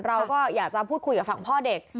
เราก็อยากจะพูดคุยกับฝั่งพ่อเด็ก